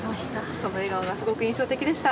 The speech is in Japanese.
その笑顔がすごく印象的でした。